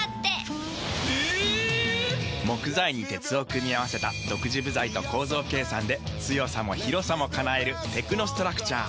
木材に鉄を組み合わせた独自部材と構造計算で強さも広さも叶えるテクノストラクチャー。